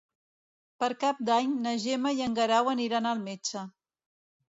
Per Cap d'Any na Gemma i en Guerau aniran al metge.